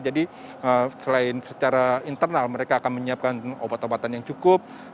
jadi selain secara internal mereka akan menyiapkan obat obatan yang cukup